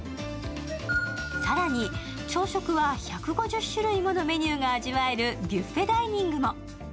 更に朝食は１５０種類ものメニューが味わえるビュッフェダイニングも。」